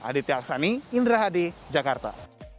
aditya aksani indra hadi jakarta